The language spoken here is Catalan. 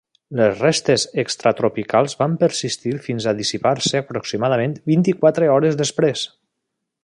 Les restes extratropicals van persistir fins a dissipar-se aproximadament vint-i-quatre hores després.